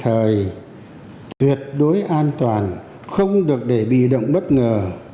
thứ hai phải tuyệt đối an toàn không được để bị động bất ngờ